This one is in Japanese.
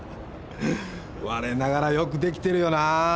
我ながらよくできてるよなぁ。